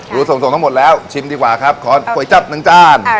ดูส่งทั้งหมดแล้วชิมดีกว่าครับขอก๋วยจับหนึ่งจาน